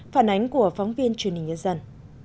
phản ánh của phóng viên truyền hình nhân dân